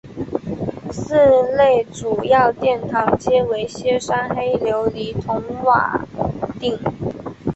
寺内主要殿堂皆为歇山黑琉璃筒瓦顶。